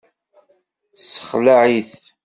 Tessexlaε-it.